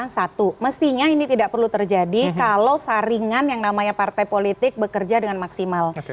satu mestinya ini tidak perlu terjadi kalau saringan yang namanya partai politik bekerja dengan maksimal